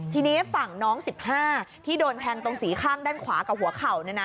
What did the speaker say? ทีนี้ฝั่งน้อง๑๕ที่โดนแทงตรงสีข้างด้านขวากับหัวเข่า